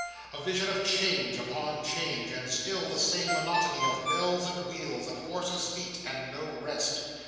A vision of change upon change, and still the same monotony of bells and wheels, and horses' feet, and no rest.